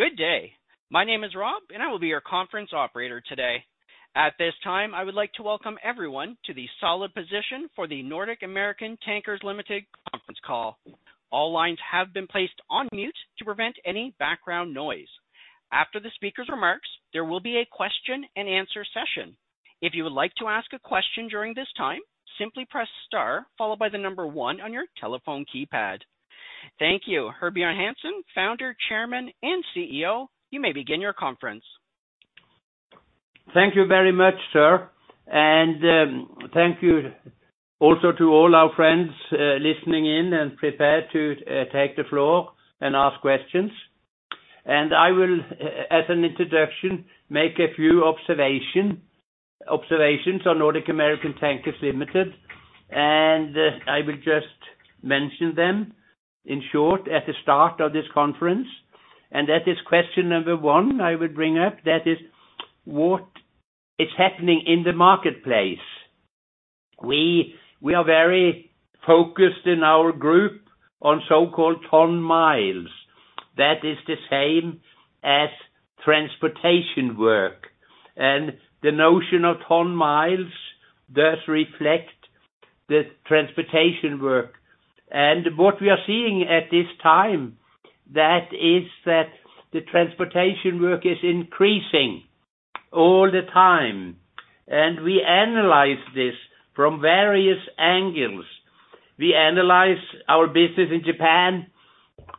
Good day. My name is Rob, and I will be your conference operator today. At this time, I would like to welcome everyone to the solid position for the Nordic American Tankers Limited conference call. All lines have been placed on mute to prevent any background noise. After the speaker's remarks, there will be a question-and-answer session. If you would like to ask a question during this time, simply press star one on your telephone keypad. Thank you. Herbjørn Hansson, Founder, Chairman, and CEO, you may begin your conference. Thank you very much, sir, thank you also to all our friends listening in and prepared to take the floor and ask questions. I will, as an introduction, make a few observations on Nordic American Tankers Limited, and I will just mention them in short at the start of this conference. That is question number one I would bring up, that is what is happening in the marketplace. We are very focused in our group on so-called ton-miles. That is the same as transportation work. The notion of ton-miles does reflect the transportation work. What we are seeing at this time, that is that the transportation work is increasing all the time, and we analyze this from various angles. We analyze our business in Japan,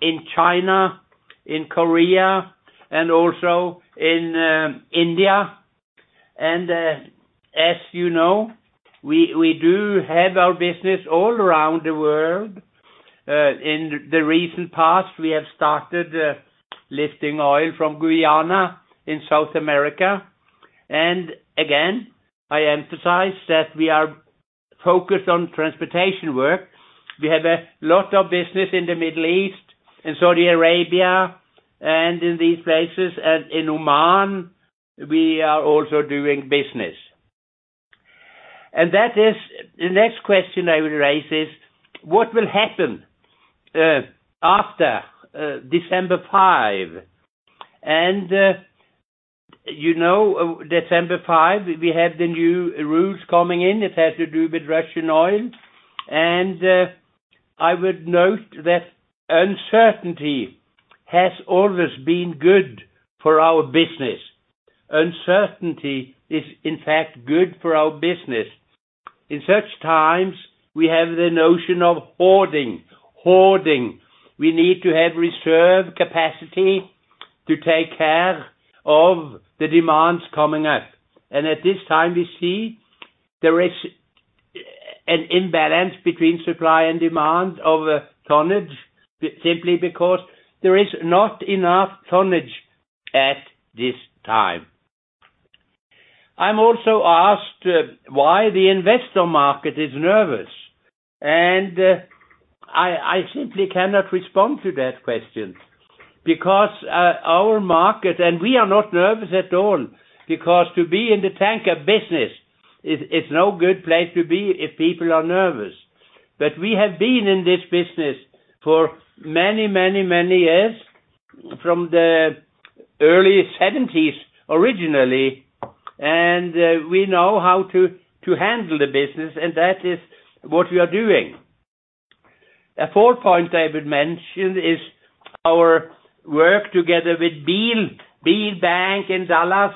in China, in Korea, and also in India. As you know, we do have our business all around the world. In the recent past, we have started lifting oil from Guyana in South America. Again, I emphasize that we are focused on transportation work. We have a lot of business in the Middle East and Saudi Arabia and in these places. In Oman, we are also doing business. That is the next question I would raise is what will happen after December 5? You know, December 5, we have the new rules coming in. It has to do with Russian oil. I would note that uncertainty has always been good for our business. Uncertainty is, in fact, good for our business. In such times, we have the notion of hoarding. Hoarding. We need to have reserve capacity to take care of the demands coming up. At this time, we see there is an imbalance between supply and demand over tonnage, simply because there is not enough tonnage at this time. I'm also asked why the investor market is nervous, and I simply cannot respond to that question because our market, we are not nervous at all, because to be in the tanker business is no good place to be if people are nervous. We have been in this business for many, many, many years, from the early 1970s originally, we know how to handle the business, that is what we are doing. A fourth point I would mention is our work together with Beal Bank in Dallas.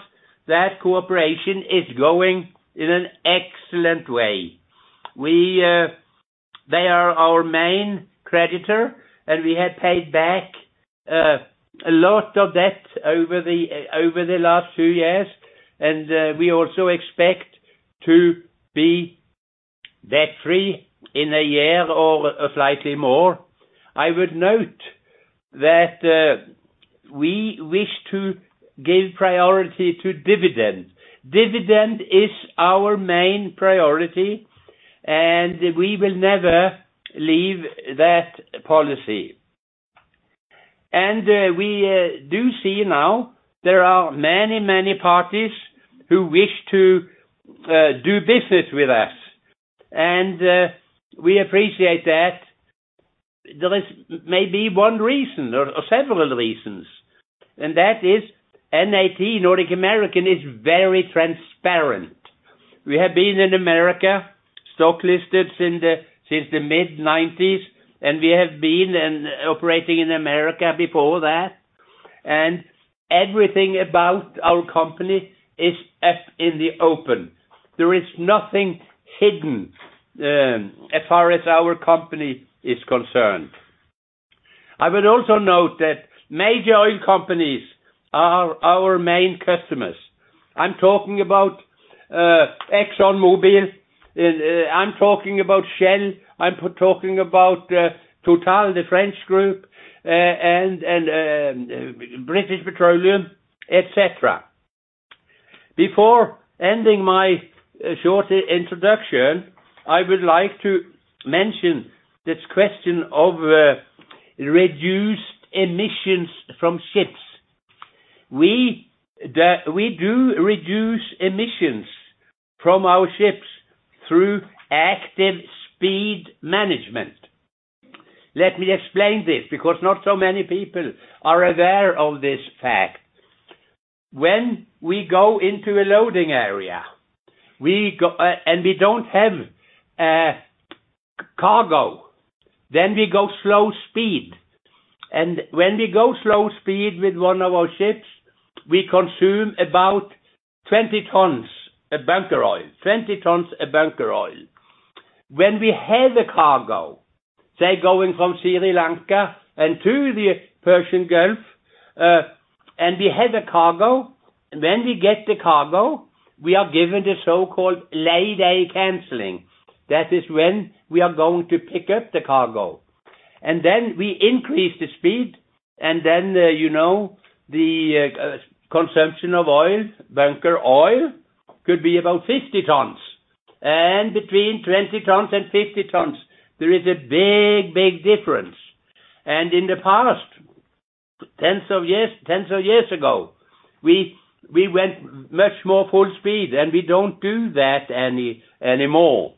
That cooperation is going in an excellent way. They are our main creditor, and we have paid back a lot of debt over the last two years. We also expect to be debt-free in one year or slightly more. I would note that we wish to give priority to dividend. Dividend is our main priority, and we will never leave that policy. We do see now there are many parties who wish to do business with us, and we appreciate that. There is maybe one reason or several reasons, and that is NAT, Nordic American, is very transparent. We have been in America, stock listed since the mid-1990s, and we have been operating in America before that. Everything about our company is in the open. There is nothing hidden as far as our company is concerned. I would also note that major oil companies are our main customers. I'm talking about ExxonMobil, I'm talking about Shell, I'm talking about Total, the French group, and British Petroleum, et cetera. Before ending my short introduction, I would like to mention this question of reduced emissions from ships. We do reduce emissions from our ships through active speed management. Let me explain this because not so many people are aware of this fact. When we go into a loading area, and we don't have cargo, then we go slow speed. When we go slow speed with one of our ships, we consume about 20 tons of bunker oil. 20 tons of bunker oil. When we have a cargo, say, going from Sri Lanka and to the Persian Gulf, when we get the cargo, we are given the so-called lay day canceling. That is when we are going to pick up the cargo. Then we increase the speed, and then, you know, the consumption of oil, bunker oil, could be about 50 tons. Between 20 tons and 50 tons, there is a big, big difference. In the past, tens of years ago, we went much more full speed, and we don't do that anymore.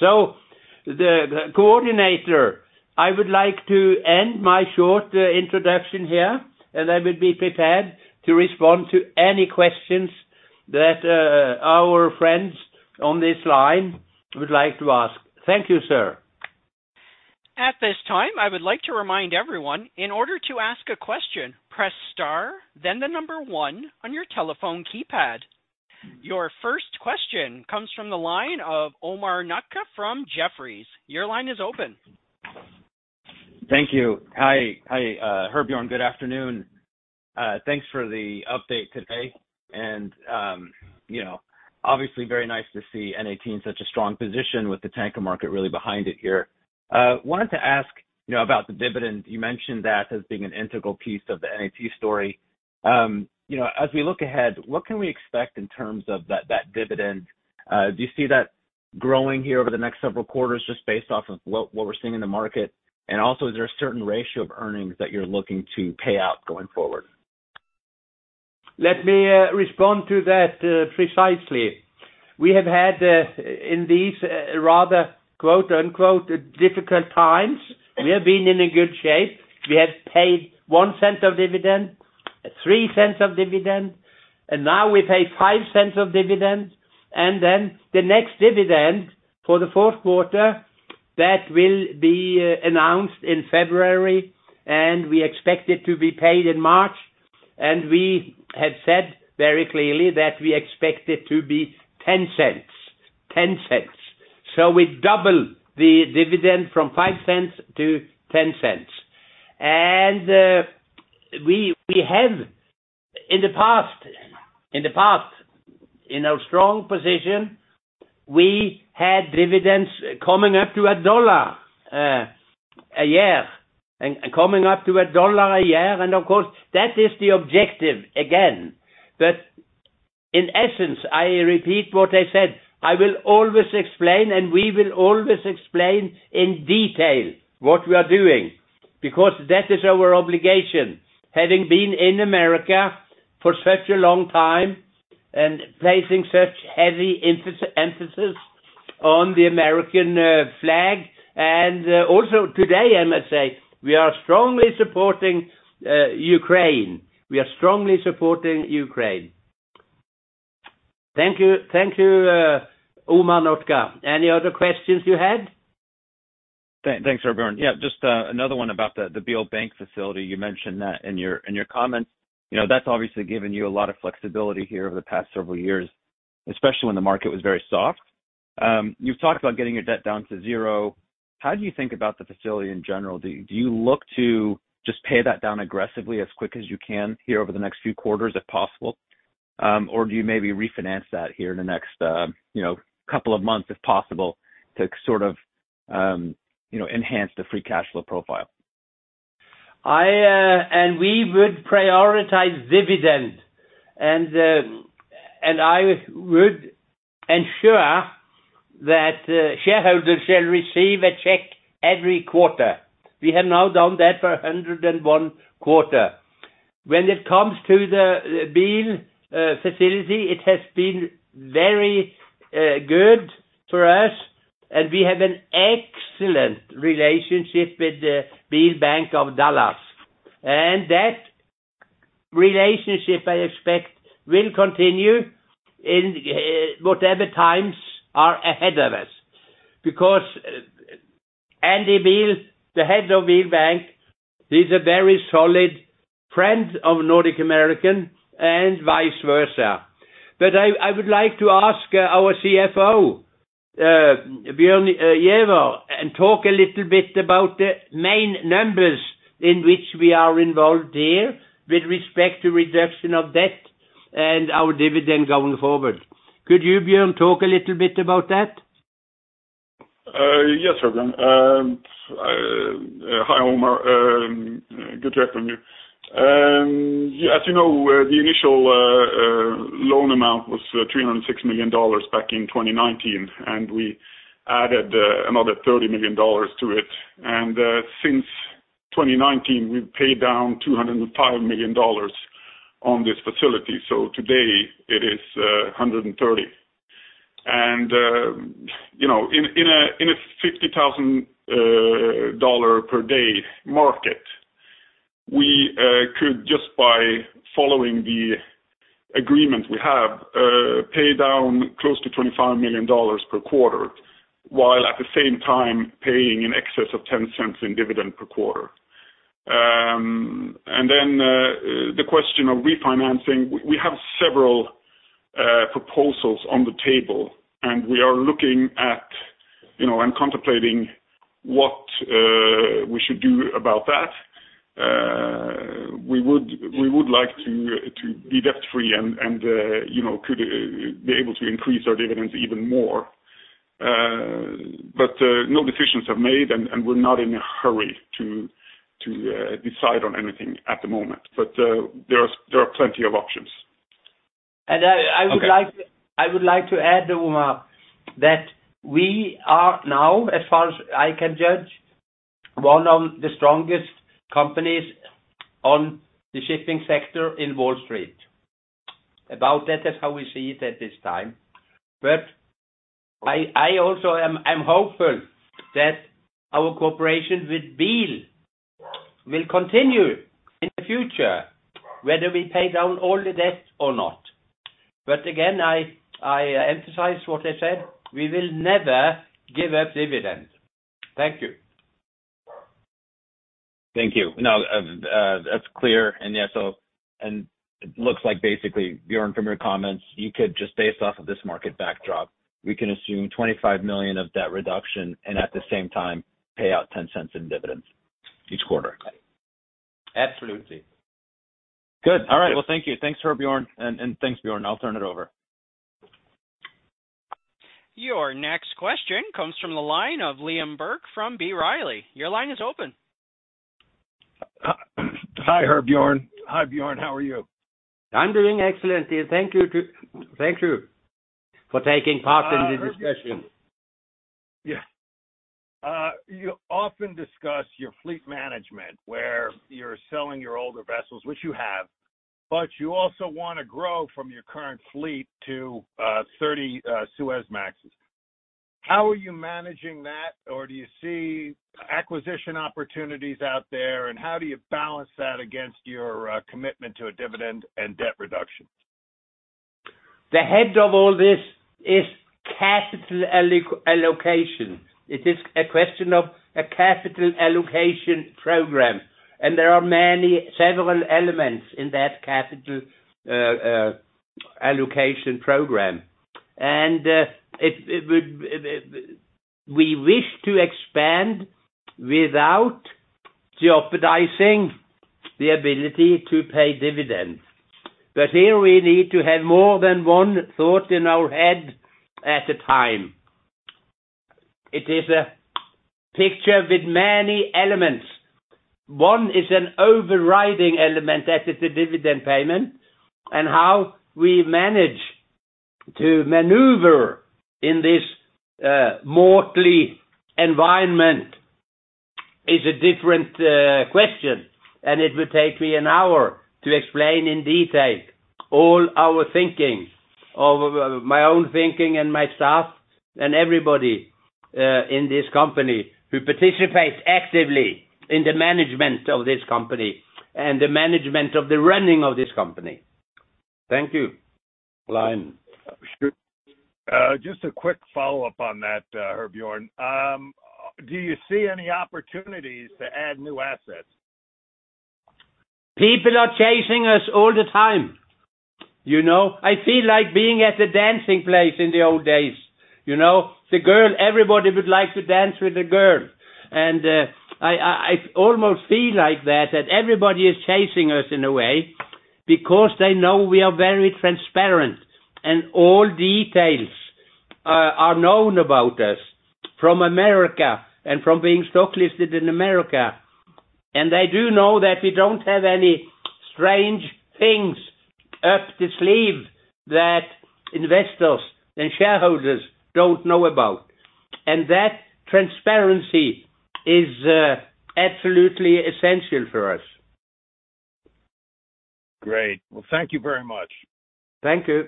The coordinator, I would like to end my short introduction here, and I would be prepared to respond to any questions that our friends on this line would like to ask. Thank you, sir. At this time, I would like to remind everyone, in order to ask a question, press star then the number one on your telephone keypad. Your first question comes from the line of Omar Nokta from Jefferies. Your line is open. Thank you. Hi. Hi, Herbjørn. Good afternoon. Thanks for the update today and, you know, obviously very nice to see NAT in such a strong position with the tanker market really behind it here. Wanted to ask, you know, about the dividend. You mentioned that as being an integral piece of the NAT story. You know, as we look ahead, what can we expect in terms of that dividend? Do you see that growing here over the next several quarters just based off of what we're seeing in the market? Also, is there a certain ratio of earnings that you're looking to pay out going forward? Let me respond to that precisely. We have had in these rather quote-unquote, "difficult times," we have been in a good shape. We have paid $0.01 of dividend, $0.03 of dividend, now we pay $0.05 of dividend. The next dividend for the fourth quarter, that will be announced in February, and we expect it to be paid in March. We have said very clearly that we expect it to be $0.10. We double the dividend from $0.05-$0.10. We have in the past, in our strong position, we had dividends coming up to $1 a year. Of course, that is the objective again. In essence, I repeat what I said, I will always explain, and we will always explain in detail what we are doing, because that is our obligation. Having been in America for such a long time and placing such heavy emphasis on the American flag. Also today, I must say, we are strongly supporting Ukraine. We are strongly supporting Ukraine. Thank you. Thank you, Omar Nokta. Any other questions you had? Thanks, Herbjørn. Just another one about the Beal Bank facility. You mentioned that in your comments. You know, that's obviously given you a lot of flexibility here over the past several years, especially when the market was very soft. You've talked about getting your debt down to zero. How do you think about the facility in general? Do you look to just pay that down aggressively as quick as you can here over the next few quarters if possible? Or do you maybe refinance that here in the next couple of months if possible to sort of enhance the free cash flow profile? I, and we would prioritize dividend, and I would ensure that shareholders shall receive a check every quarter. We have now done that for 101 quarters. When it comes to the Beal facility, it has been very good for us, and we have an excellent relationship with the Beal Bank of Dallas. That relationship, I expect will continue in whatever times are ahead of us. Andy Beal, the head of Beal Bank, he's a very solid friend of Nordic American and vice versa. I would like to ask our CFO, Bjørn Giæver, and talk a little bit about the main numbers in which we are involved here with respect to reduction of debt and our dividend going forward. Could you, Bjørn, talk a little bit about that? Yes, Herbjørn. Hi, Omar. Good to hear from you. Yeah, as you know, the initial $6 million back in 2019, and we added another $30 million to it. Since 2019 we've paid down $205 million on this facility. Today it is $130 million. You know, in a $50,000 per day market, we could just by following the agreement we have, pay down close to $25 million per quarter, while at the same time paying in excess of $0.10 in dividend per quarter. The question of refinancing, we have several proposals on the table, we are looking at, you know, and contemplating what we should do about that. We would like to be debt free and, you know, could be able to increase our dividends even more. No decisions are made and, we're not in a hurry to decide on anything at the moment. There are plenty of options. I would like. Okay. I would like to add, Omar, that we are now, as far as I can judge, one of the strongest companies on the shipping sector in Wall Street. About that is how we see it at this time. I also am, I'm hopeful that our cooperation with Beal will continue in the future, whether we pay down all the debt or not. Again, I emphasize what I said, we will never give up dividend. Thank you. Thank you. No, that's clear. Yeah, it looks like basically, Bjørn, from your comments, you could just based off of this market backdrop, we can assume $25 million of debt reduction and at the same time pay out $0.10 in dividends each quarter. Absolutely. Good. All right. Well, thank you. Thanks, Herbjørn. And thanks, Bjørn. I'll turn it over. Your next question comes from the line of Liam Burke from B. Riley Securities. Your line is open. Hi, Herbjørn. Hi, Bjørn. How are you? I'm doing excellent. Thank you for taking part in the discussion. Yeah. You often discuss your fleet management where you're selling your older vessels, which you have, but you also wanna grow from your current fleet to 30 Suezmaxes. How are you managing that? Do you see acquisition opportunities out there, and how do you balance that against your commitment to a dividend and debt reduction? The head of all this is capital allocation. It is a question of a capital allocation program, and there are several elements in that capital allocation program. We wish to expand without jeopardizing the ability to pay dividends. Here we need to have more than one thought in our head at a time. It is a picture with many elements. One is an overriding element, that is the dividend payment. How we manage to maneuver in this mortally environment is a different question, and it would take me an hour to explain in detail all our thinking of my own thinking and my staff and everybody in this company who participates actively in the management of this company and the management of the running of this company. Thank you. Just a quick follow-up on that, Herbjørn. Do you see any opportunities to add new assets? People are chasing us all the time. You know, I feel like being at the dancing place in the old days. You know, everybody would like to dance with the girl. I almost feel like that everybody is chasing us in a way because they know we are very transparent and all details are known about us from America and from being stock listed in America. They do know that we don't have any strange things up the sleeve that investors and shareholders don't know about. That transparency is absolutely essential for us. Great. Well, thank you very much. Thank you.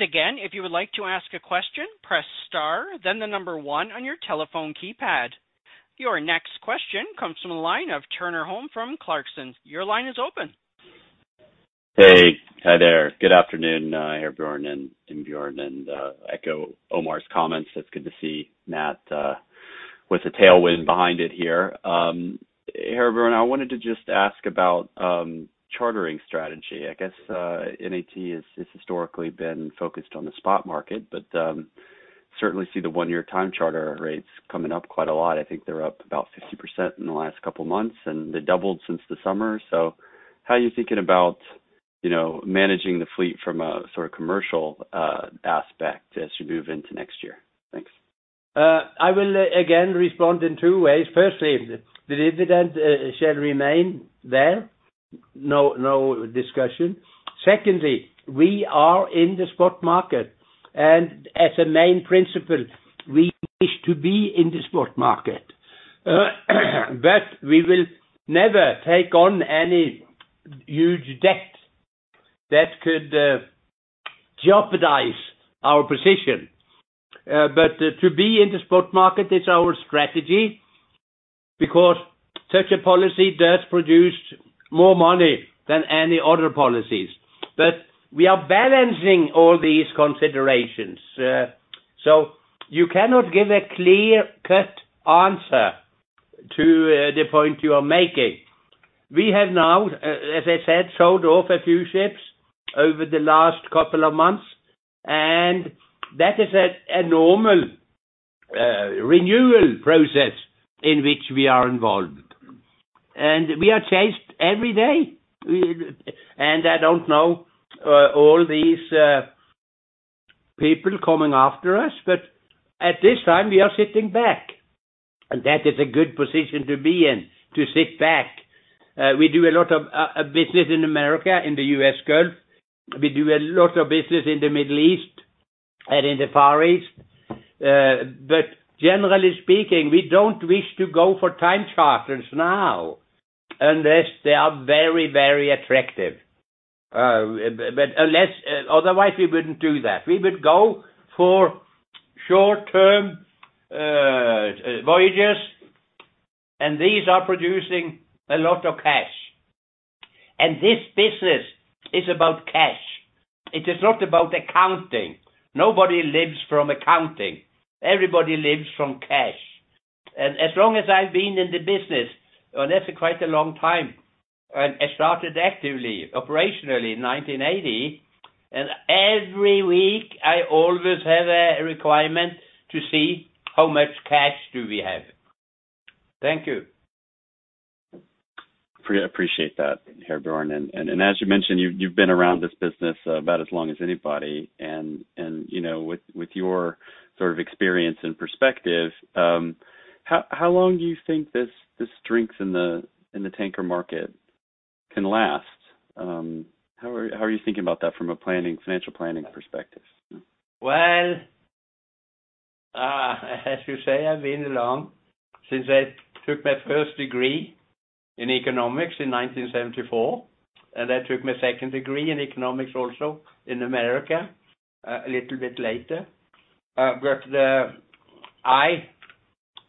Again, if you would like to ask a question, press star, then 1 on your telephone keypad. Your next question comes from the line of Turner Holm from Clarksons. Your line is open. Hey. Hi there. Good afternoon, Herbjørn and Bjørn, and echo Omar's comments. It's good to see NAT with the tailwind behind it here. Herbjørn, I wanted to just ask about chartering strategy. I guess, NAT has historically been focused on the spot market, certainly see the one year time charter rates coming up quite a lot. I think they're up about 50% in the last couple of months, they doubled since the summer. How are you thinking about, you know, managing the fleet from a sort of commercial aspect as you move into next year? Thanks. I will again respond in two ways. Firstly, the dividend shall remain there. No, no discussion. Secondly, we are in the spot market, and as a main principle, we wish to be in the spot market. We will never take on any huge debt that could jeopardize our position. To be in the spot market is our strategy because such a policy does produce more money than any other policies. We are balancing all these considerations. You cannot give a clear cut answer to the point you are making. We have now, as I said, sold off a few ships over the last couple of months, and that is a normal renewal process in which we are involved. We are chased every day. I don't know, all these people coming after us, but at this time we are sitting back, and that is a good position to be in, to sit back. We do a lot of business in America, in the U.S. Gulf. We do a lot of business in the Middle East and in the Far East. Generally speaking, we don't wish to go for time charters now unless they are very, very attractive. Otherwise, we wouldn't do that. We would go for short-term voyages, and these are producing a lot of cash. This business is about cash. It is not about accounting. Nobody lives from accounting. Everybody lives from cash. As long as I've been in the business, and that's quite a long time, and I started actively operationally in 1980, and every week I always have a requirement to see how much cash do we have. Thank you. Appreciate that, Herbjørn. As you mentioned, you've been around this business about as long as anybody and, you know, with your sort of experience and perspective, how long do you think this strength in the tanker market can last? How are you thinking about that from a planning, financial planning perspective? As you say, I've been along since I took my first degree in economics in 1974, and I took my second degree in economics also in America a little bit later.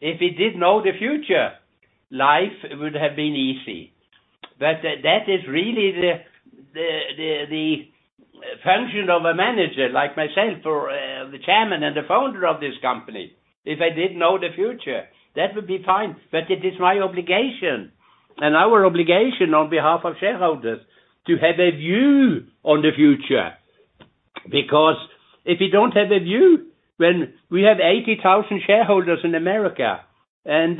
If we did know the future, life would have been easy. That is really the function of a manager like myself or the chairman and the founder of this company. If I did know the future, that would be fine, but it is my obligation and our obligation on behalf of shareholders to have a view on the future. If you don't have a view, when we have 80,000 shareholders in America and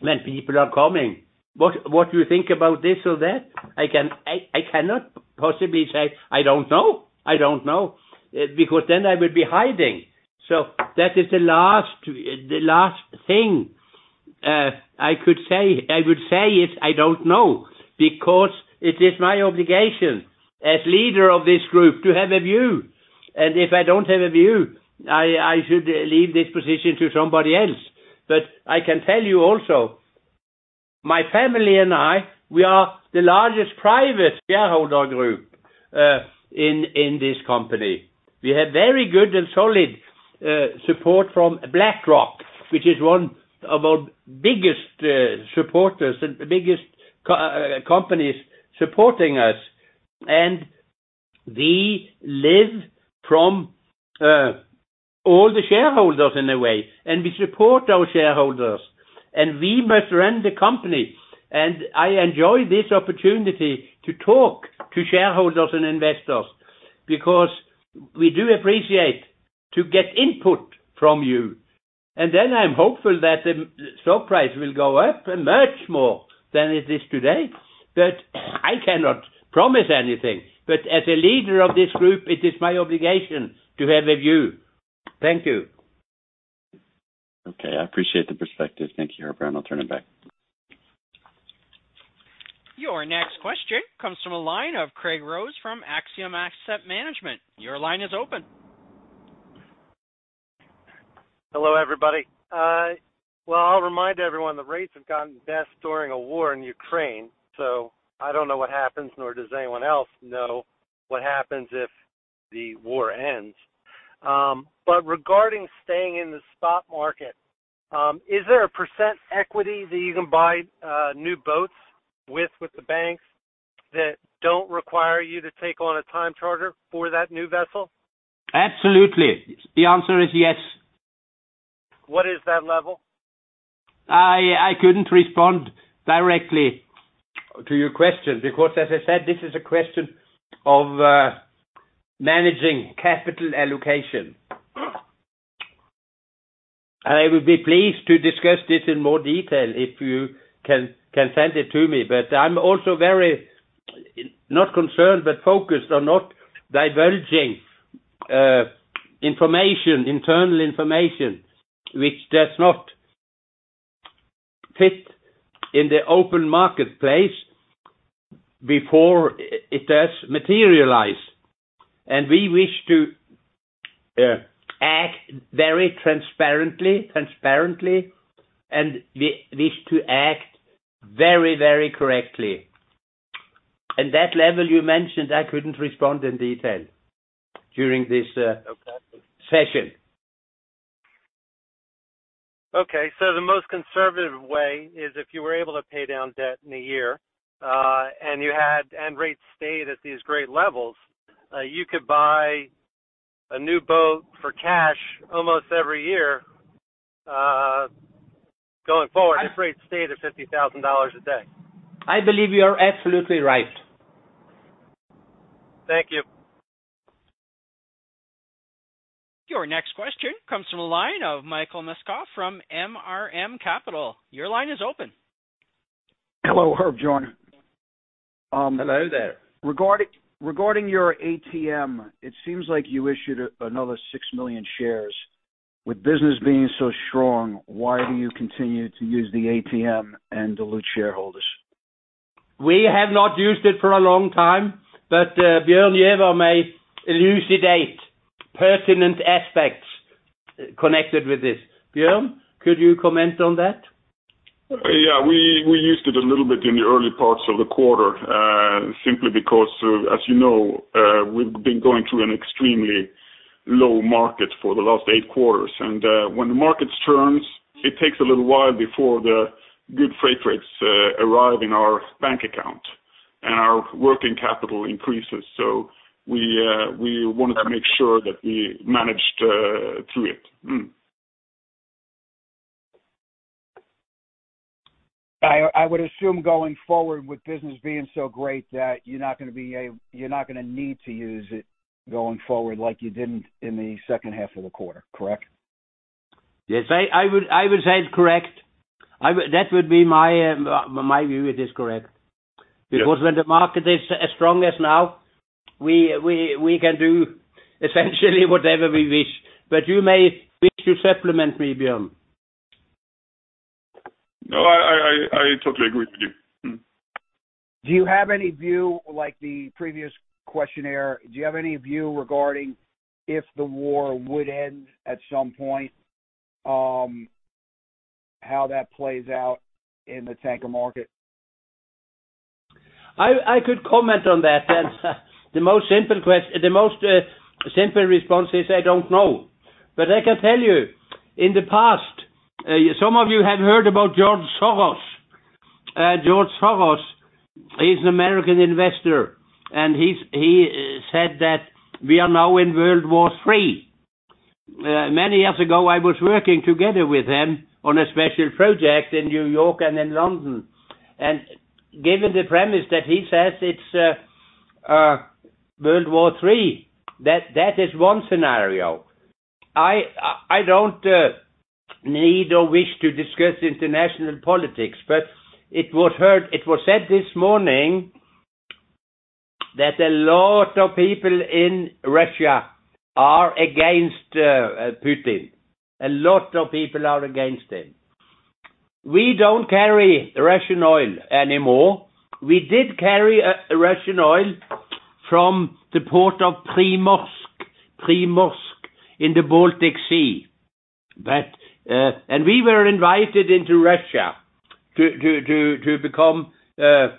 when people are coming, what do you think about this or that? I cannot possibly say, "I don't know. I don't know," because I would be hiding. That is the last thing I could say. I would say is, "I don't know," because it is my obligation as leader of this group to have a view. If I don't have a view, I should leave this position to somebody else. I can tell you also, my family and I, we are the largest private shareholder group in this company. We have very good and solid support from BlackRock, which is one of our biggest supporters and biggest companies supporting us. We live from all the shareholders in a way, we support our shareholders, we must run the company. I enjoy this opportunity to talk to shareholders and investors because we do appreciate to get input from you. I'm hopeful that the stock price will go up much more than it is today. I cannot promise anything. As a leader of this group, it is my obligation to have a view. Thank you. Okay. I appreciate the perspective. Thank you, Herbjørn. I'll turn it back. Your next question comes from a line of Craig Rose from Axiom Capital Management. Your line is open. Hello, everybody. Well, I'll remind everyone the rates have gotten best during a war in Ukraine, I don't know what happens, nor does anyone else know what happens if the war ends. Regarding staying in the spot market, is there a percent equity that you can buy, new boats with the banks that don't require you to take on a time charter for that new vessel? Absolutely. The answer is yes. What is that level? I couldn't respond directly to your question because as I said, this is a question of managing capital allocation. I would be pleased to discuss this in more detail if you can send it to me, but I'm also very not concerned, but focused on not diverging information, internal information which does not fit in the open marketplace before it does materialize. We wish to act very transparently, and we wish to act very correctly. That level you mentioned, I couldn't respond in detail during this. Okay. Session. Okay. So the most conservative way is if you were able to pay down debt in a year, and rates stayed at these great levels, you could buy a new boat for cash almost every year, going forward if rates stayed at $50,000 a day. I believe you are absolutely right. Thank you. Your next question comes from the line of Michael Masco from MRM Capital. Your line is open. Hello, Herbjørn Hansson. Hello there. Regarding your ATM, it seems like you issued another 6 million shares, with business being so strong, why do you continue to use the ATM and dilute shareholders? We have not used it for a long time, but Bjørn Giæver may elucidate pertinent aspects connected with this. Bjørn, could you comment on that? Yeah. We used it a little bit in the early parts of the quarter, simply because of, as you know, we've been going through an extremely low market for the last eight quarters. When the markets turns, it takes a little while before the good freight rates arrive in our bank account and our working capital increases. We wanted to make sure that we managed through it. I would assume going forward with business being so great that you're not gonna need to use it going forward like you didn't in the second half of the quarter, correct? Yes. I would say it's correct. That would be my view. It is correct. Yeah. When the market is as strong as now, we can do essentially whatever we wish. You may wish to supplement me, Bjørn. No, I totally agree with you. Mm-hmm. Do you have any view, like the previous questionnaire, do you have any view regarding if the war would end at some point, how that plays out in the tanker market? I could comment on that. The most simple response is, I don't know. I can tell you, in the past, some of you have heard about George Soros. George Soros is an American investor, and he said that we are now in World War III. Many years ago, I was working together with him on a special project in New York and in London. Given the premise that he says it's a World War III, that is one scenario. I don't need or wish to discuss international politics, but it was said this morning that a lot of people in Russia are against Putin. A lot of people are against him. We don't carry Russian oil anymore. We did carry Russian oil from the port of Primorsk in the Baltic Sea. We were invited into Russia to become a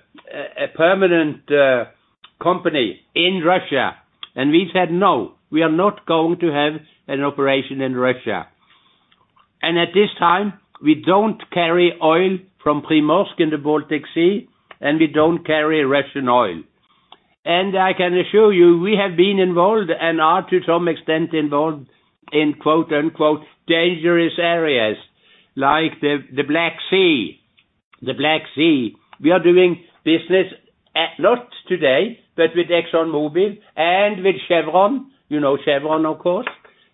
permanent company in Russia. We said, "No, we are not going to have an operation in Russia." At this time, we don't carry oil from Primorsk in the Baltic Sea, and we don't carry Russian oil. I can assure you, we have been involved and are to some extent involved in quote-unquote, dangerous areas like the Black Sea. We are doing business, not today, but with ExxonMobil and with Chevron. You know Chevron, of course,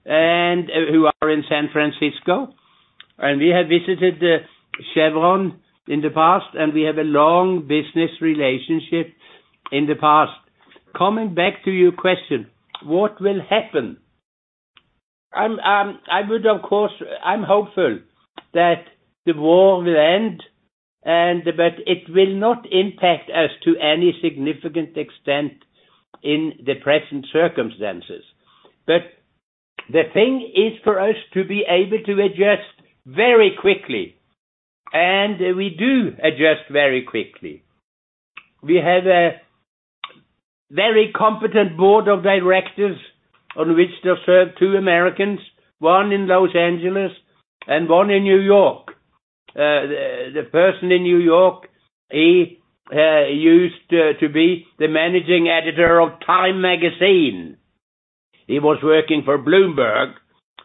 and who are in San Francisco. We have visited Chevron in the past, and we have a long business relationship in the past. Coming back to your question, what will happen? I'm hopeful that the war will end, but it will not impact us to any significant extent in the present circumstances. The thing is for us to be able to adjust very quickly, and we do adjust very quickly. We have a very competent Board of Directors on which there serve two Americans, one in Los Angeles and one in New York. The person in New York, he used to be the managing editor of Time Magazine. He was working for Bloomberg,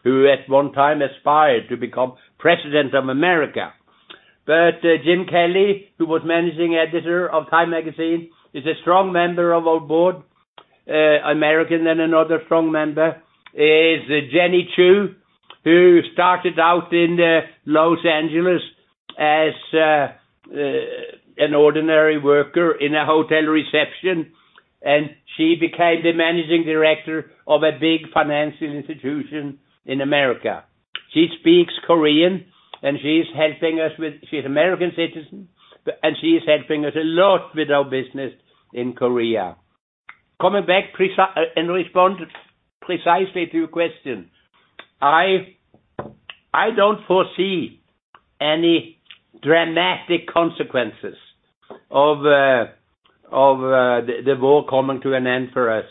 who at one time aspired to become President of America. Jim Kelly, who was managing editor of Time Magazine, is a strong member of our board. Another strong member is Jenny Chu, who started out in Los Angeles as an ordinary worker in a hotel reception, and she became the managing director of a big financial institution in America. She speaks Korean, and she's helping us she's American citizen, and she's helping us a lot with our business in Korea. Coming back in response precisely to your question. I don't foresee any dramatic consequences of the war coming to an end for us.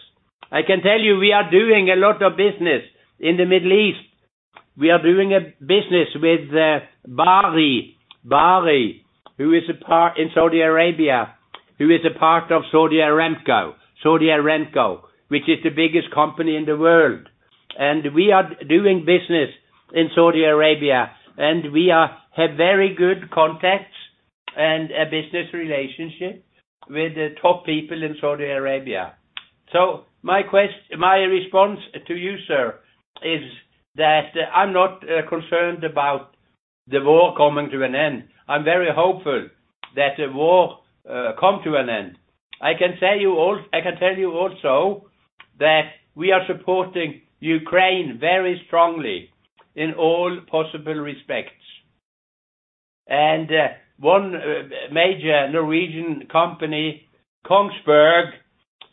I can tell you, we are doing a lot of business in the Middle East. We are doing a business with Bahri. Bahri who is a part of Saudi Aramco, which is the biggest company in the world. We are doing business in Saudi Arabia, and have very good contacts and a business relationship with the top people in Saudi Arabia. My response to you, sir, is that I'm not concerned about the war coming to an end. I'm very hopeful that the war come to an end. I can tell you also that we are supporting Ukraine very strongly in all possible respects. One major Norwegian company, Kongsberg,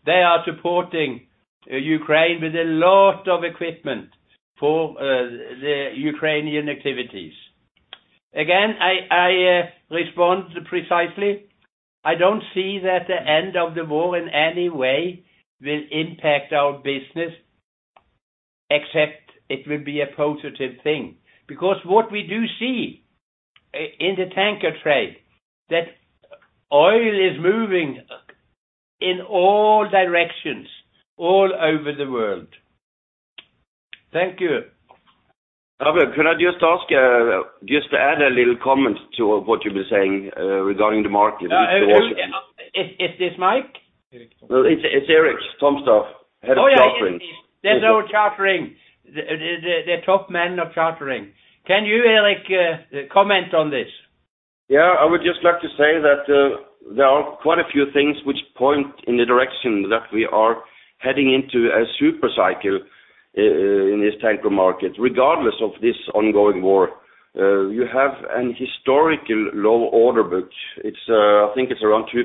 they are supporting Ukraine with a lot of equipment for the Ukrainian activities. Again, I respond precisely. I don't see that the end of the war in any way will impact our business, except it will be a positive thing. What we do see in the tanker trade, that oil is moving in all directions, all over the world. Thank you. Albert, could I just ask, just to add a little comment to what you were saying, regarding the market. Is this Mike? Well, it's Erik Tomstad. Head of Chartering. Oh, yeah. There is our chartering. The top man of chartering. Can you, Erik, comment on this? Yeah. I would just like to say that there are quite a few things which point in the direction that we are heading into a supercycle in this tanker market, regardless of this ongoing war. You have an historical low order book. It's, I think it's around 2%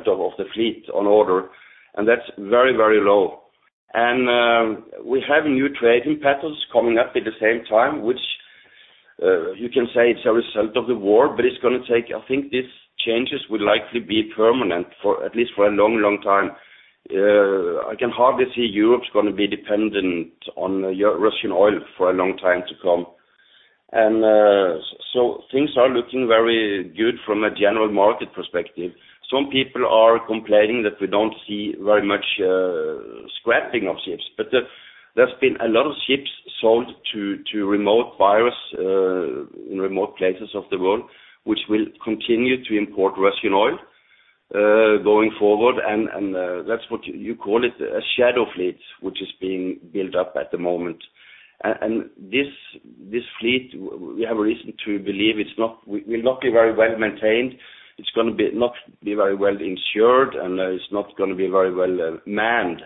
of the fleet on order, and that's very, very low. We have new trading patterns coming up at the same time, which you can say it's a result of the war, but I think these changes will likely be permanent for at least for a long, long time. I can hardly see Europe's gonna be dependent on Russian oil for a long time to come. Things are looking very good from a general market perspective. Some people are complaining that we don't see very much scrapping of ships, but there's been a lot of ships sold to remote buyers in remote places of the world, which will continue to import Russian oil going forward. That's what you call it a shadow fleet, which is being built up at the moment. This fleet, we have a reason to believe it will not be very well-maintained. It's gonna not be very well insured, and it's not gonna be very well manned.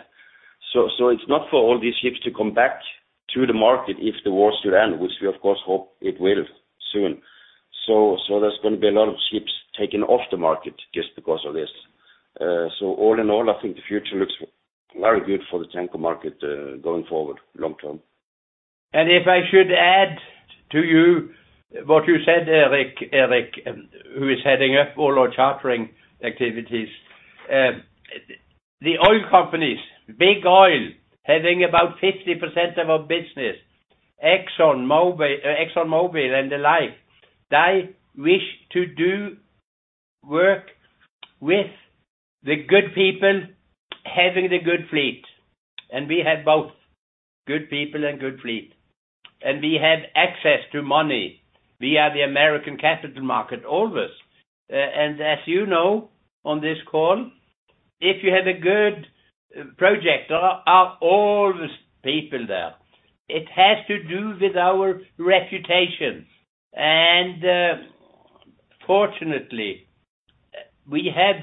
It's not for all these ships to come back to the market if the war should end, which we of course hope it will soon. There's gonna be a lot of ships taken off the market just because of this. All in all, I think the future looks very good for the tanker market, going forward long term. If I should add to you what you said, Erik. Erik, who is heading up all our chartering activities. The oil companies, big oil, having about 50% of our business, ExxonMobil and the like, they wish to do work with the good people having the good fleet. We have both good people and good fleet. We have access to money via the American capital market, always. As you know, on this call, if you have a good project are always people there. It has to do with our reputation. Fortunately, we have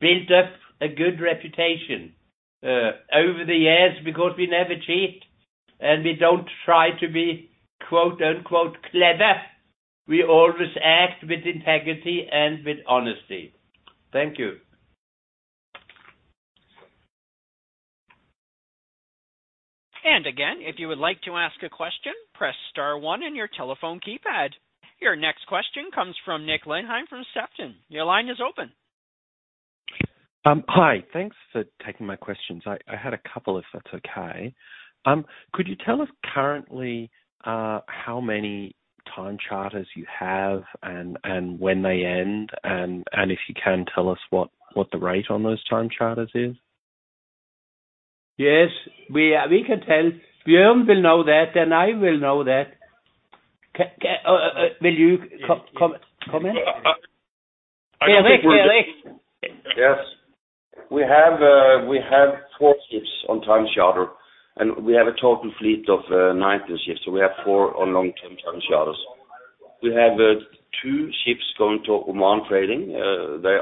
built up a good reputation over the years because we never cheat, and we don't try to be quote, unquote, "clever." We always act with integrity and with honesty. Thank you. Again, if you would like to ask a question, press star one in your telephone keypad. Your next question comes from [Nick Lindheim] from Sefton. Your line is open. Hi. Thanks for taking my questions. I had a couple, if that's okay. Could you tell us currently, how many time charters you have and when they end, and if you can tell us what the rate on those time charters is? Yes. We, we can tell. Bjørn will know that, and I will know that. Will you comment? I think we're- Erik. Yes. We have four ships on time charter, and we have a total fleet of 19 ships. We have four on long-term time charters. We have two ships going to OQ Trading. They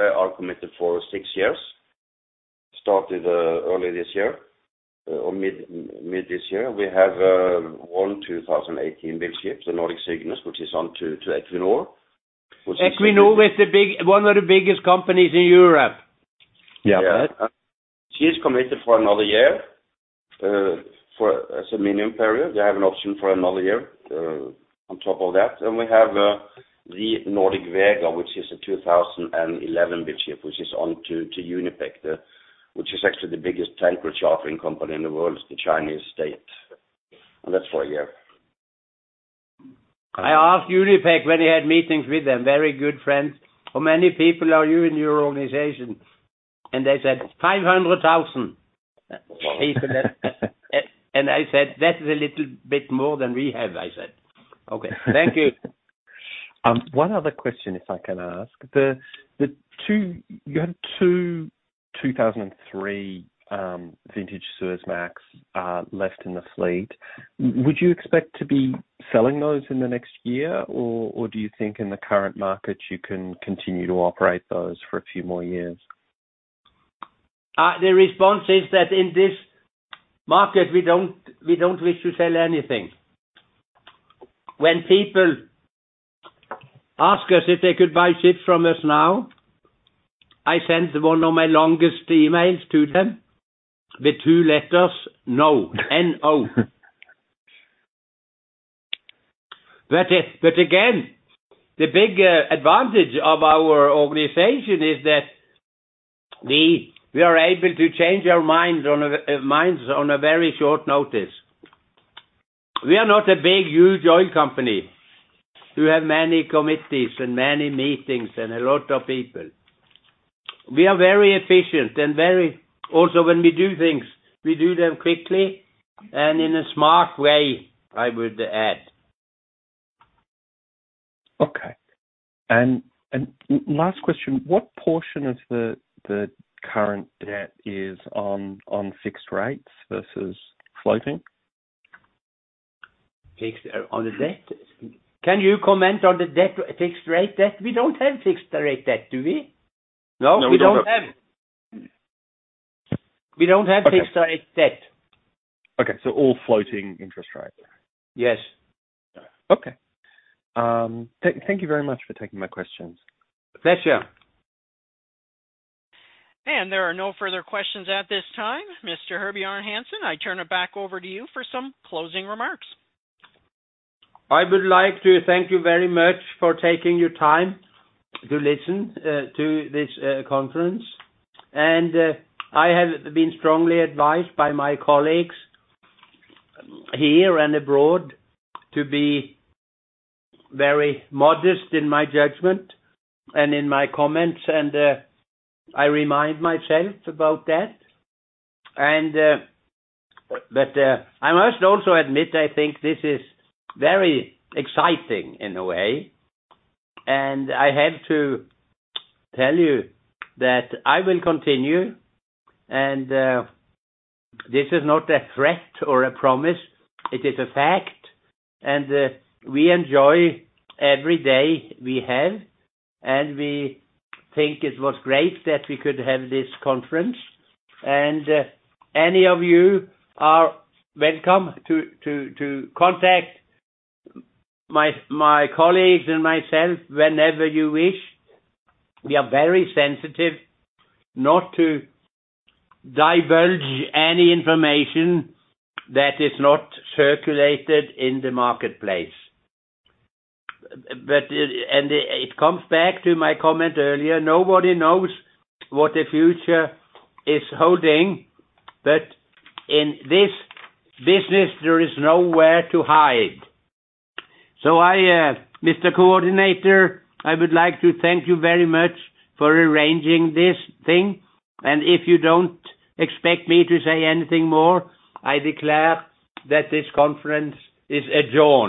are committed for six years. Started early this year, or mid this year. We have one 2018 big ship, the Nordic Cygnus, which is on to Equinor. Equinor is one of the biggest companies in Europe. Yeah. She's committed for another year for as a minimum period. They have an option for another year on top of that. We have the Nordic Vega, which is a 2011 big ship which is on to Unipec, which is actually the biggest tanker chartering company in the world, it's the Chinese state. That's for a year. I asked Unipec when he had meetings with them, very good friends. How many people are you in your organization? They said, "500,000 people." I said, "That is a little bit more than we have," I said. Okay, thank you. One other question, if I can ask. You have two 2003 vintage Suezmax left in the fleet. Would you expect to be selling those in the next year? Or do you think in the current market, you can continue to operate those for a few more years? The response is that in this market, we don't wish to sell anything. When people ask us if they could buy ship from us now, I send one of my longest emails to them with two letters, no. N-O. Again, the big advantage of our organization is that we are able to change our minds on a very short notice. We are not a big, huge oil company who have many committees and many meetings and a lot of people. We are very efficient and also, when we do things, we do them quickly and in a smart way, I would add. Okay. Last question. What portion of the current debt is on fixed rates versus floating? Fixed, on the debt. Can you comment on the debt, fixed rate debt? We don't have fixed rate debt, do we? No, we don't. No, we don't have. We don't have fixed rate debt. Okay. All floating interest rate. Yes. Okay. Thank you very much for taking my questions. Pleasure. There are no further questions at this time. Mr. Herbjørn Hansson, I turn it back over to you for some closing remarks. I would like to thank you very much for taking your time to listen to this conference. I have been strongly advised by my colleagues here and abroad to be very modest in my judgment and in my comments, I remind myself about that. I must also admit, I think this is very exciting in a way, and I have to tell you that I will continue and, this is not a threat or a promise, it is a fact. We enjoy every day we have, and we think it was great that we could have this conference. Any of you are welcome to contact my colleagues and myself whenever you wish. We are very sensitive not to divulge any information that is not circulated in the marketplace. It comes back to my comment earlier, nobody knows what the future is holding, but in this business, there is nowhere to hide. I, Mr. Coordinator, I would like to thank you very much for arranging this thing. If you don't expect me to say anything more, I declare that this conference is adjourned.